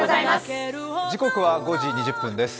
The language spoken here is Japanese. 時刻は５時２０分です。